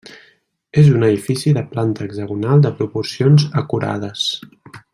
És un edifici de planta hexagonal de proporcions acurades.